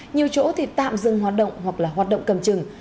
nhiều chỗ thì tạm dừng hoạt động hoặc là hoạt động cầm chừng